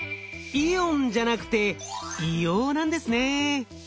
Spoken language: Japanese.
イオンじゃなくて硫黄なんですね。